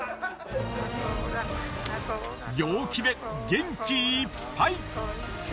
陽気で元気いっぱい。